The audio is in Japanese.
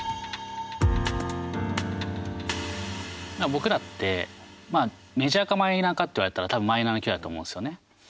僕らってメジャーかマイナーかって言われたら多分マイナーな競技だと思うんですよね。